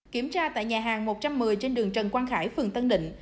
kiểm tra tại nhà hàng một trăm một mươi trên đường trần quang khải phường tân định